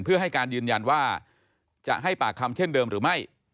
เพื่อให้การยืนยันว่าจะให้ปากคำเช่นเดิมหรือไม่